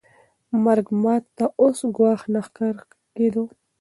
مرګ ما ته اوس ګواښ نه ښکاره کېده.